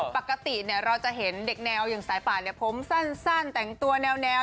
ปกติเราจะเห็นเด็กแนวอย่างสายป่านผมสั้นแต่งตัวแนว